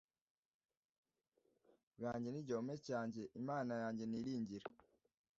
bwanjye n igihome cyanjye imana yanjye niringira